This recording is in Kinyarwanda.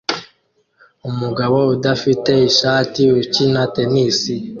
Umugabo udafite ishati ukina tennis